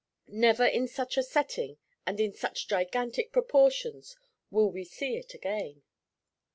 Never in such a setting and in such gigantic proportions will we see it again.